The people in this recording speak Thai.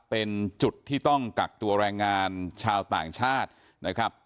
เป็นจุดที่ต้องกักตัวแรงงานชาวต่างชาตินะครับ